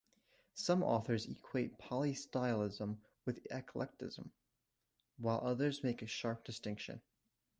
Some authors equate polystylism with eclecticism, while others make a sharp distinction.